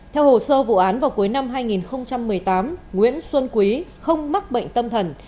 theo hồ sơ vụ án vào cuối năm hai nghìn một mươi tám nguyễn xuân quý không mắc bệnh tâm thần